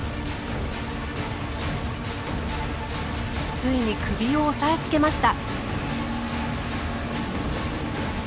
ついに首を押さえつけました。